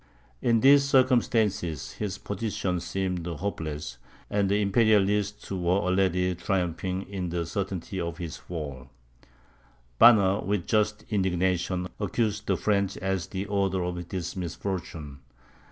In these circumstances, his position seemed hopeless, and the Imperialists were already triumphing in the certainty of his fall. Banner, with just indignation, accused the French as the authors of this misfortune.